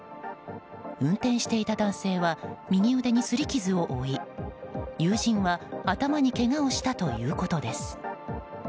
運転していた男性は右腕に擦り傷を負い友人は頭にけがをしたということです。